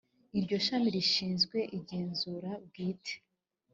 iryoshami rishinzwe igenzura bwite.